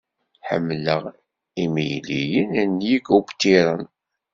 Ḥemmleɣ imegliyen n yikubṭiren.